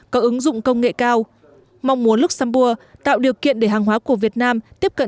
có ứng dụng công nghệ cao mong muốn luxembourg tạo điều kiện để hàng hóa của việt nam tiếp cận